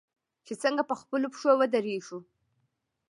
چې څنګه په خپلو پښو ودریږو.